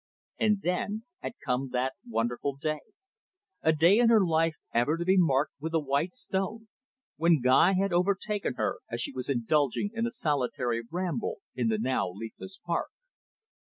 And then had come that wonderful day, a day in her life ever to be marked with a white stone, when Guy had overtaken her as she was indulging in a solitary ramble in the now leafless park.